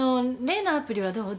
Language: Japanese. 例のアプリはどう？